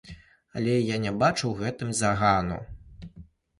Але я не бачу ў гэтым загану.